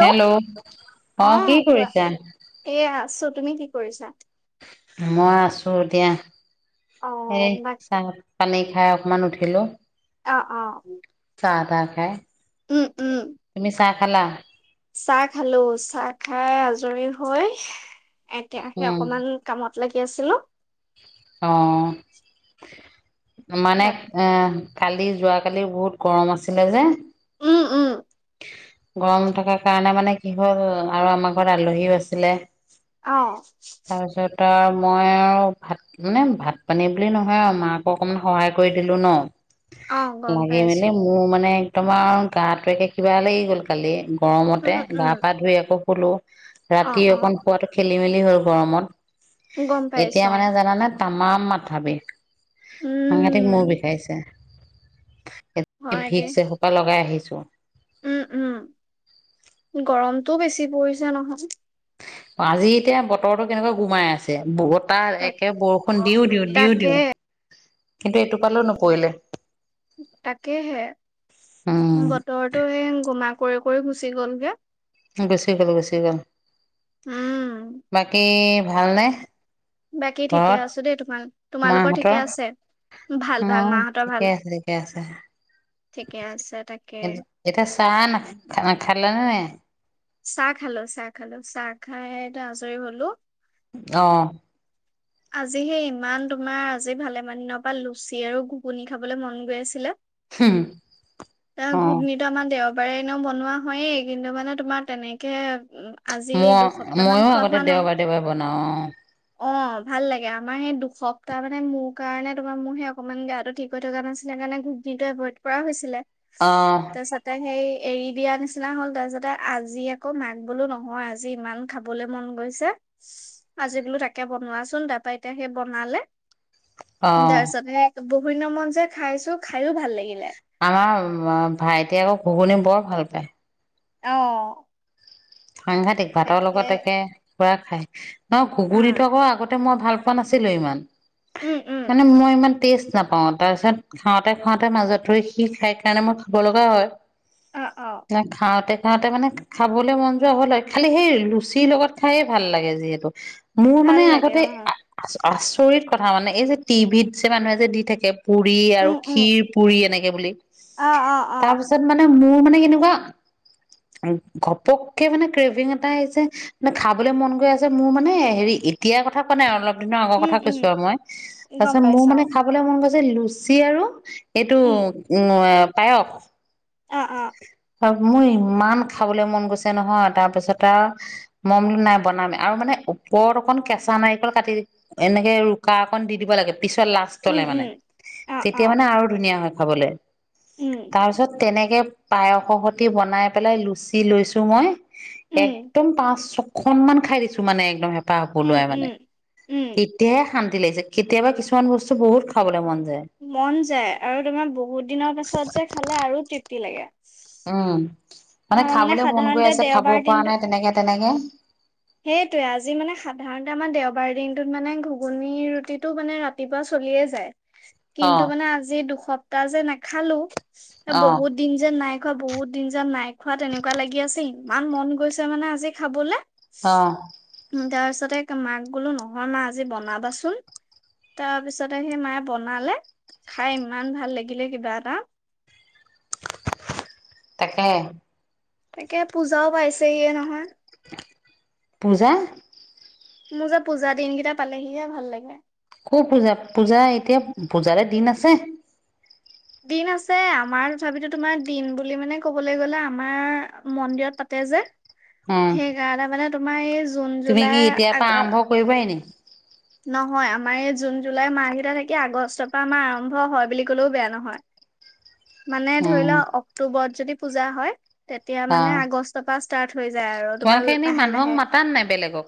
Hello অ কি কৰিছা? এয়া আছো তুমি কি কৰিছা? মই আছো এতিয়া এ অ', বাক চাগ পানী খাই অকমান উঠিলো অ অ অ আধা খাই উম, উম। তুমি চাহ খালা চাহ খালো চাহ খাই আজৰি হৈ এতিয়া সেই অকণমান কামত লাগি আছিলো অহ মানে বাক অহ কালি যোৱাকালি বহুত গৰম আছিলে যে উম, উম, গৰম থকাৰ কাৰণে মানে কি হ'ল আৰু আমাৰ ঘৰত আলহীও আছিলে অ তাৰপিছত আৰু মই আৰু ভাত মানে ভাত পানী বুলি নহয় আৰু মাকো অকণমান সহায় কৰি দিলো ন অ', গম লাগি পাইছো। মেলি মোৰ মানে তোমাৰ গাটো [unintelligible] একে বেয়া লাগি গল কালি গৰমতে উম, গা উম, পা ধুই আকৌ হুলো অ', ৰাতি অ', অকন খোৱাতটো খেল খেলি মেলি হ'ল গৰমত গম এতিয়া পাইছো মানে অ', জানানে তামাম মাথাবিষ সাংঘাতিক মূৰ উম। বিষাইছে হয় দে ভিকস এসোপা লগাই আহিছো তেওঁ উম উম গৰমটো বেছি পৰিছে নহয় আজি এতিয়া বতৰটো কেনেকুৱা গোমাই আছে বহুত তাক একে বৰষুণ দিও দিওঁ দিও তাকে দিওঁ কিন্তু এইটোপালেও নপৰিলে তাকেহে উম বতৰটো সেই গোমা কৰি কৰি গুচি গ'লগে গুচি গল গুচি গল উম বাকী ভাল নে? বাকী ঠিকে আছো দেই তোমাৰ তোমালোকৰ মাহঁতৰ ঠিকে আছে ভাল মা ভাল মাহঁতৰ ঠিকে ভাল আছে ঠিকে আছে ঠিকে আছে তাকে এটা এতিয়া চাহ ন খালে নে নাই চাহ খালো চাহ খালো চাহ খাই আজৰি হলো আহ আজি সেই ইমান তোমাৰ আজি ভালেমান দিনৰ পৰা লুচি আৰু ঘুগুনি খাবলৈ মন গৈ আছিলে হুম, তাৰ অ', ঘুগনীত আমাৰ দেও এবাৰ এনেও বনোৱা হয়য়েই কিন্তু মানে তোমাৰ তেনেকে উ ম‌ই ময়ো আগতে দেওবাৰে দেওবাৰে বনাও অ অ ভাল লাগে আমাৰ সেই দুসপ্তাহ মানে মোৰ কাৰণে তোমাৰ মোৰ সেই অকণমান গেয়াটো ঠিক হৈ থকা নাছিলে কাৰণে ঘূটনিটো এভইড কৰা হৈছিলে অ', তাৰ পাছত সেই এৰি দিয়া নিচিনা হ'ল তাৰ পিছতে আজি আকৌ মাক বোলো নহয় আজি ইমান খাবলে মন গৈছে আজি বোলো তাকে বনোৱা চোন তাৰাপা এতিয়া সেই বনালে অ', অ', তাৰ পিছত হে বহুত দিনৰ মূৰত যে খাইছো খাইও ভাল লাগিলে আমাৰ ভাইটি আকৌ ঘুগুনি বৰ ভাল পায় আহ সাংঘাতিক ভাতৰ লগত একে খোৱা খাই ন অ ঘুগুৰিটো আকৌ আগতে মই ভাল পোৱা নাছিলো ইমান উম উম মানে মই ইমান টেষ্ট নাপাওঁ তাৰ পিছত খাওঁতে খাওঁতে মাজত ধৰি সি খাই কাৰণে মই খাব লগা হয় অ অ খাওঁতে সিহঁতে মানে খাবলৈ মন খালি সেই লুচিৰ লগত খাইে ভাল লাগে যিহেতু মোৰ ভাল মানে লাগে আগতে অ আচৰিত কথা মানে এই যে টিভিত যে মানুহে যে দি থাকে পুৰি আৰু উম উম খিৰ পুৰি এনেকে বুলি অ অ অ তাৰ পিছত মানে মোৰ মানে কেনেকুৱা ঘপক কে মানে ক্ৰেভিং এটা আহিছে মানে খাবলৈ মন গৈ আছে মোৰ মানে হেৰি এতিয়াৰ কথা কোৱা নাই অলপ দিনৰ আগৰ উম কথা উম কৈছো আৰু মই তাৰ গম পিছত মোৰ পাইছো অ মানে খাবলৈ মন গৈছে যে লুচি আৰু এইটো উম উম পায়খ [inaudible] মোৰ ইমান খাবলৈ মন গৈছে নহয় তাৰ পিছত আৰু মন নাই বনাম আৰু মানে ওপৰত অকণ কেঁচা নাৰিকল কাটি এনেকে ৰুকা অকণ দি দিব লাগে পিছত লাষ্টলে মানে তেতিয়া মানে আৰু ধুনীয়া হয় খাবলে তাৰপিছত তেনেকে পায়সৰ সৈতে বনাই পেলাই লুচি লৈছো মই একদম পাঁচ খন মান খাই দিছো মানে একদম পাহ পলুৱাই মানে তেতিয়াহে শান্ত ফূতি লাগিছে কেতিয়াবা কিছুমান বস্তু বহুত খাবলৈ মন যায় মন যায় আৰু তোমাৰ বহুত দিনৰ পাছত যে খালে আৰু তৃপ ফূতি লাগে উম মানে আমাৰ খাবলৈ মন গৈ সাধাৰণতে আছে খাব পৰা নাই তেনেকে তেনেকে সেইটোৱেই আজি মানে সাধাৰণতে আমাৰ দেওবাৰ দিনটোত মানে ঘুগুনী ৰুটিটো মানে ৰাতিপুৱা চলিয়ে যায় অ কিন্তু মানে আজি দুসপ্তাহ যে না খালো এ অ বহুত দিন যেন নাই খোৱা বহুত দিন যেন নাই খোৱা তেনেকুৱা লাগি আছে ইমান মন গৈছে মানে আজি খাবলে অ তাৰপিছতে মাক বোলো নহয় মা আজি বনাবাচোন তাৰপিছতে সেই মায়ে বনালে খাই ইমান ভাল লাগিলে কিবা এটা তাকে তাকে পূজাও পাইছেহিয়ে নহয় পূজা মোৰ যে পূজা দিনকেইটা পালেহিহে ভাল লাগে ক পূজা পূজা এতিয়া পূজালে দিন আছে দিন আছে আমাৰ তথাপিতো তোমাৰ দিন বুলি মানে কবলৈ গলে আমাৰ মন্দিৰত পাতে যে উম সেইকাৰণে মানে তোমাৰ এই জুন তুমি কি জুলাই এতিয়াৰ আগ পৰা আৰম্ভ কৰিবাই নে নহয় আমাৰ এই জুন জুলাই মাহকেইটা থাকে আগষ্টৰ পৰা আমাৰ আৰম্ভ হয় বুলি কলেও বেয়া নহয় মানে ধৰি উম লোৱা অক্টোবৰত যদি পূজা হয়। তেতিয়া অ মানে আগষ্টৰ পৰা ষ্টাৰ্ট হৈ যায় আৰু তোমাৰ তোমালোকে এনেই লাহে মানুহক লাহে। মাতা নাই বেলেগক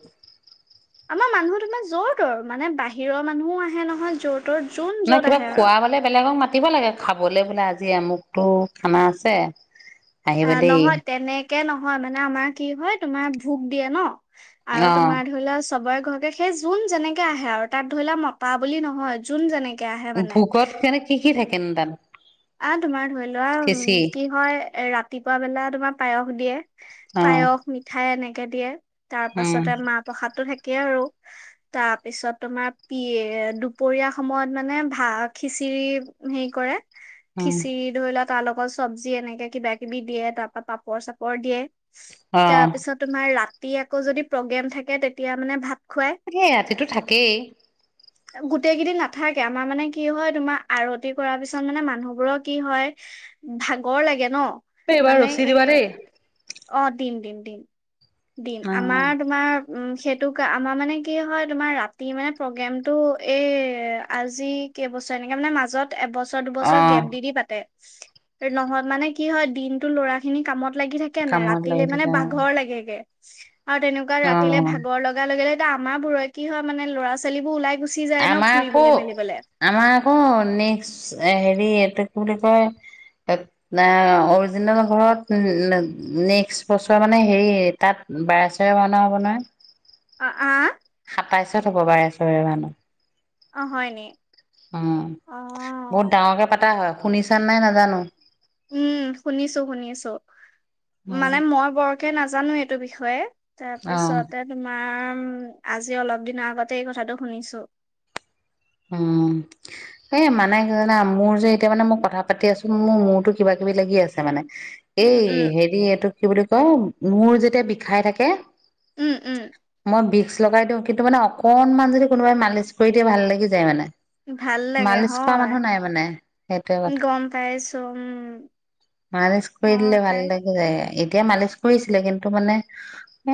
আমাৰ মানুহ তোমাৰ যৰ তৰ মানে বাহিৰৰ মানুহো আহে নহয় যৰ। তৰ যোন নে য'ত কিবা আহে আৰু খোৱাবলে বেলেগক মাতিব লাগে খাবলৈ বোলে আজি। আজি আমুক টো খানা আছে। অ আহিবা দেই নহয় তেনেক। কে নহয় মানে আমাৰ কি হয় তোমাৰ ভোক দিয়ে ন। অ আৰু তোমাৰ ধৰি লোৱা। চবৰে ঘৰতে সেই যোন যেনেকে আহে আৰু তাত ধৰিলোৱা মতা বুলি নহয় যোন যেনেকে। আহে মানে ভোকত কেনে কি কি থাকে। নো তাত। আহ তোমাৰ ধৰি লোৱা খিচি কি হয়। এ ৰাতিপুৱা বেলা তোমাৰ পায়স দিয়ে। অ পায়স মিঠাই এনে। কে দিয়ে। তাৰ উম পাছতে মাহ প্ৰসাদ তো থাক। কে আৰু তাৰপিছত তোমাৰ প দুপৰীয়া সময়ত মানে ভা খিচিৰি হেৰি কৰে। উম খিচিৰি ধৰি লোৱা। তাৰ লগত চব্জি এনেকে কিবা কিবি দিয়ে তাৰ পৰা পাপৰ চাপৰ দিয়ে। অ তাৰপিছত তোমাৰ ৰা। তি আকৌ যদি প্ৰগ্ৰেম থাকে তেতিয়া মানে ভাত। খুৱাই সেয়া ৰাতিটো থাকেই। গোটেই কেইদিন নাথাকে আমাৰ মানে কি হয় তোমাৰ আৰতি কৰা পিছত। ত মানে মানুহবোৰৰ কি হয় ভাগৰ লাগে ন। এইবাৰ মানে ৰছী দিবা এনে দেই। অ দিম দিম দিম। দিম অ আমাৰ তোমাৰ। উম সেইটো কা আমাৰ মানে কি হয় তোমাৰ ৰাতি মানে প্ৰগ্ৰেমতটো এই আজি কেইবছৰ এনেকে মানে মাজত এবছৰ। আমাৰ অ দুবছৰ গ্ৰেফ দি দি পাতে। নহয় মানে কি হয় দিনটো ল'ৰা খিনি কামত। লাগি থাকে নাই কামত ৰাতিলে লাগি মানে থাকা বাঘৰ লাগেগে। চিচ। আৰু তেনেকুৱা ৰাতিলে অ ভাগৰ লগা লগে লগে। এ আমাৰ বোৰৰে কি হয় মানে ল'ৰা ছোৱালী বোৰ ওলাই গু। আমাৰ আক আমাৰ আক নে্স এ হেৰি এইটো কি বুলি কয় অৰিজিনেল ঘৰত নেক্সট বছৰ মানে হেৰি তাত বাৰে চৰে ভাওনা হ'ব নহয় অ আহ সাতাইচত হ'ব বাৰে চৰে ভাওনা অ হয় নি উম অ বহুত ডাঙৰকে পতা হয় শুনি চান নাই নাজানো উম শুনিছো শুনিছো উম মানে মই বৰ কে নাজানো এইটো বিষয়ে অ তাৰপিছত মা উম আজি অলপ দিনৰ আগতে এই কথাটো শুনিছো উম এ মানে কি জানে মোৰ যে এতিয়া মানে মই কথা পাতি আছো মোৰ মূৰতো কিবা কিবি লাগি আছে মানে উম এই উম হেৰি এইটো কি বুলি কম মূৰ যেতিয়া বিষাই থাকে উম উম বিচ লগাই দিওঁ কিন্তু মানে অকনমান যদি কোনোবাই মালিচ কৰি দিয়ে ভাল লাগি যায় মানে উম ভাল লাগে মালিচ কৰা হয়। মানুহ নাই মানে সেইটোৱে কথা গম পাইছো উম মালিচ কৰি হয় দিলে ভাল পাই লাগি যায় কে মালিচ কৰিছিলে কিন্তু মানে এ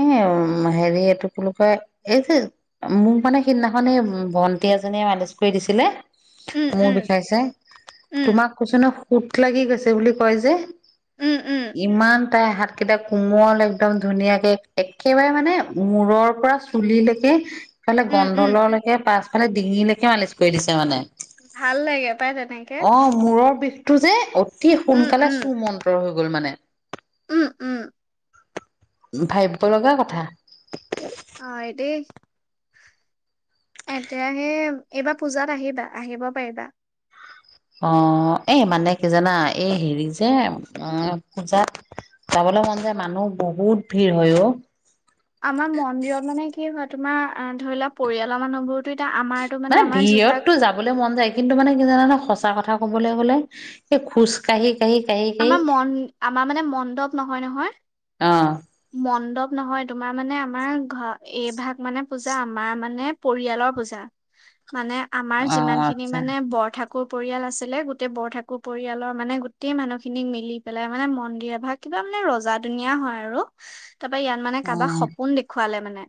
হেৰি এইটো কি বুলি কয় এই যে মোক মানে সিদিনাখনেই ভণ্টি‌ এজ নীয়ে মালিচ কৰি দিছিলে উম মোৰ উম বিষাইছে উম তোমাক কৈছ ন কোত লাগি গৈছে বুলি কয় যে উম উম ইমান তাই হাতকেইটা কোমল একদম ধুনীয়াকে একেবাৰে মানে মূৰৰ পৰা চুলিলৈকে ইফালে উম উম গন্ধললৈকে পাচ ডিঙিলৈকে মালিচ কৰি দিছে মানে ভাল লাগে পাই তেনেকে টো যে কি উম সোনকালে উম সুমন্ত্ৰ হৈ গ'ল মানে উম উম ভাবিব লগা কথা হয় দেই এতিয়াহে এইবাৰ পূজাত আহিবা আহিব পাৰিবা অ এই মানে কি জানা এই হেৰি যে আহ পূজাত যাবলৈ মন যে মানুহ বহুত ভিৰ হয় অ আমাৰ মন্দিৰত মানে কি হয় তোমাৰ ধৰিলোৱা পৰিয়ালৰ মানুহ বোৰ মানে ভিৰততো যাবলৈ মন যায় কিন্তু মানে কি জানানে সঁচ সচা কথা কবলৈ গলে এই খোজকাঢ়ি আমাৰ মন আমাৰ মানে মণ্ডপ নহয় নহয়। অ মণ্ডপ নহয় তোমাৰ মানে আমাৰ ঘ এই ভাগ মানে পূজা আমাৰ মানে পৰিয়ালৰ পূজা। মানে আমাৰ অ যিমান খিনি আচ্ছা মানে বৰ থা কুৰ পৰিয়াল আছিলে গোটেই বৰঠাকুৰ পৰিয়ালৰ মানে গোটেই মানুহ খি খিনি মিলি পেলাই মানে মন্দিৰ এভাগ কিবা মানে ৰজা দুনিয়া হয় আৰু। তাৰ পা ইয়াত মানে অ কাবাক সপোন দেখো। খুৱালে মানে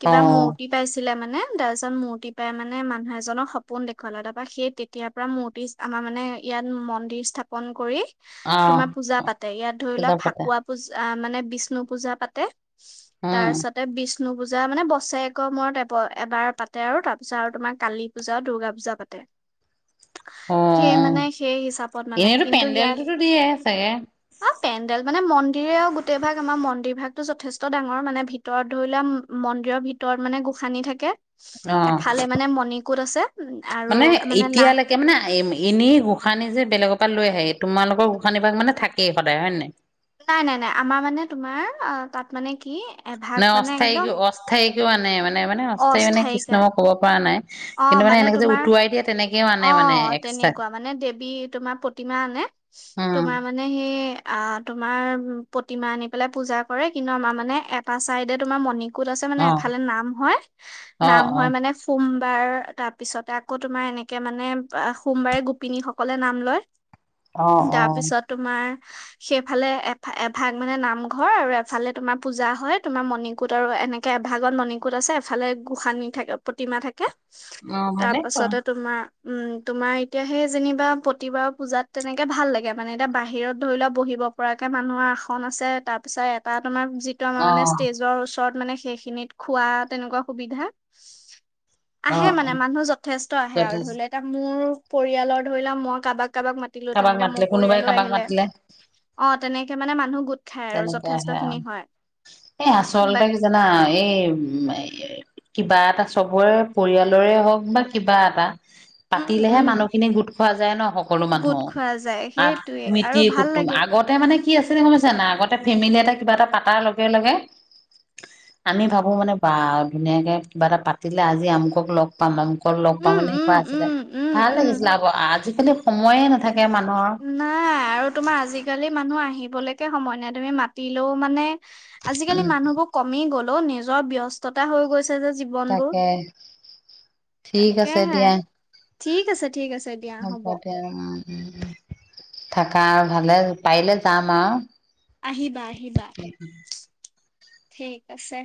কিবা মূৰ্তি অ পাইছিলে মানে। মানে তাৰ পিছত মূৰ্তি পাই মানে মানুহ এজনক সপোন দেখুৱালো তাৰপা সেই তেতিয়াৰ পৰা মূৰ্তি আমাৰ মানে ইয়াত মন্দিৰ স্থাপন কৰি তোমাৰ পূজা পাতে। ইয়াত ধৰি লোৱা পূজা পাতে ফাকুৱা পুজা অ মানে বিষ্ণু পূজা পাতে। উম তাৰ পিছতে বি বিষ্ণু পূজা মানে বছেৰেকৰ মূৰত এব - এবাৰ পাতে আৰু তাৰ পিছত আৰু তোমাৰ কালী পূজা, দুূৰ্গা পূজা পাতে। অ সেই মানে সেই হিচাপত মানে কিন্তু ইয়াত ছাগে? পেণ্ডেল মানে মন্দিৰে আৰু গোটেই ভাগ আমাৰ মন্দিৰ ভাগতটো যথেষ্ট ডাঙৰ মানে, ভিতৰত ধৰি লোৱা মন্দিৰৰ ভিতৰত মানে গোসানী থাকে। অ' এফালে মানে মণিকোট আছে উম, আৰু মানে নাহ এতিয়ালৈকে মানে এ -এনেই গোঁসানি যে বেলেগৰ তাত লৈ আহে তোমালোকৰ গোঁসানী ভাগ মানে থাকেই সদায়। হয় নে নাই? নাই নাই নাই । আমাৰ মানে তোমাৰ অ তাত মানে কি এভাগ নাই মানে অস্থায়ী একদম - অস্থায়ী কিয় আনে মানে নাই মানে অস্থায়ী মানে কৃষ্ণ অস্থায়িকা মই ক'ব পাৰা নাই। অ কিন্তু মানে এনেকে যে তোমাৰ উটুৱাই দিয়ে তেনেকেও আনে অ মানে এক্সট্ৰা তেনেকুৱা মানে দেৱী তোমাৰ প্ৰতিমা আনে, উম তোমাৰ মানে সেই অ তোমাৰ প্ৰতিমা আনি পেলাই পূজা কৰে, কিন্তু আমাৰ মানে এটা চাইডে তোমাৰ মনি কুত আছে মানে অ এফালে নাম হয়। অ নাম অ হয় মানে সোম বাৰ তাৰ পিছতে আকৌ তোমাৰ এনেকে মানে সোমবাৰে গোপিনী সকলে নাম লয়। অ অ তাৰ পিছত তোমাৰ সেইফালে এ- এভাগ মানে নামঘৰ আৰু এফালে তোমাৰ পূজা হয়। তোমাৰ মণিকুট আৰু এনেকে এভাগত মণিকুট আছে এফালে গোসানি থাকে প্ৰতিমা থাকে। অ তাৰ ভালেই কৰা পাছতে তোমাৰ উম তোমাৰ এতিয়া সেই যেনিবা প্ৰতিবাৰৰ পূজাত তেনেকে ভাল লাগে মানে। এতিয়া বাহিৰত ধৰি লোৱা বহিব পৰাকে মানুহৰ আসন আছে, তাৰ পিছত এটাত তোমাৰ যিটো আমাৰ অ মানে ষ্টেজৰ ওচৰত মানে সেইখিনিত খোৱা তেনেকুৱা সুবিধা। অ আহে অ মানে মানুহ যথেষ্ট আহে আৰু ধৰি যথেষ্ট লোৱা এতিয়া মোৰ পৰিয়ালৰ ধৰি লওক মই কাৰোবাক। কাৰোবাক মাতিলো কাৰোবাক তেনেকে মোৰ মাতিলে কোনোবাই পৰিয়ালো কাৰোবাক আহিলে মাতিলে অ। তেনেকে মানে মানুহ। খাই আৰু তেনেকে যথেষ্ট আহে খিনি আৰু হয় এই আচলতে বাক কি জানা এই উ। ই কিবা এটা চবৰে পৰিয়ালৰে হওক বা কিবা এটা। উম পাতিলেহে উম মানুহখিনি গোট। পোৱা যায় ন। সকলো মানুহ গোট খোৱা যায় আ সেইটোৱে আৰু মিতিৰ ভাল কুটুম লাগে আগতে মানে। কি আছিলে মানে। ন আগতে ফেমিলি এটা কিবা এটা পাতাৰ লগে লগে আমি ভাবো মানে ব ধুনীয়াকে কিবা এটা পাতিলে আজি আমুকক লগ পাম আমুক। অকল লগ পা উম মানে উম এনেকুৱা আছিলে উম উম ভাল উম লাগিছিলে আকৌ আজিকালি। সময়ে নাথাকে। মানুহৰ নাই আৰু তোমাৰ আজিকালি মানুহ আহিব। দিবলৈকে সময় নাই তুমি মাতিলেও মানে। আজিকালি উম মানুহবোৰ কমি গ'ল। নিজৰ ব্যস্ততা হৈ গৈছে। যে জীৱনবোৰ তাকে ঠিক আছে তাকেহে দিয়া ঠিক আছে ঠিক আছে দিয়া হ'ব। হম্ হম্ থাকা আৰু ভালে পাৰিলে যাম আৰু। আহিবা, আহিবা। ঠিক আছে।